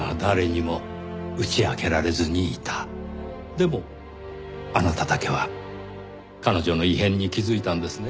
でもあなただけは彼女の異変に気づいたんですね？